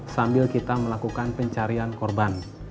sambil kita melakukan pencarian korban